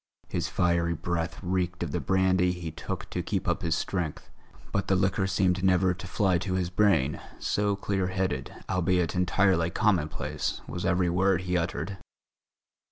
His fiery breath reeked of the brandy he took to keep up his strength; but the liquor seemed never to fly to his brain, so clear headed, albeit entirely commonplace, was every word he uttered.